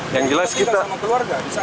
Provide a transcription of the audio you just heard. yang jelas kita